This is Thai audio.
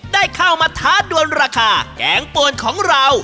ได้เข้ามาท้าดวนราคาแกงปวนของเรา